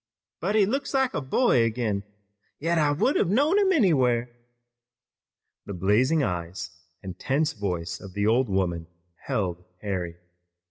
But he looks like a boy again! Yet I would have known him anywhere!" The blazing eyes and tense voice of the old woman held Harry.